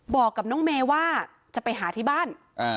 บอกกับน้องเมย์ว่าจะไปหาที่บ้าน